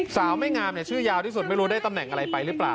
สาวไม่งามชื่อยาวที่สุดไม่รู้ได้ตำแหน่งอะไรไปหรือเปล่า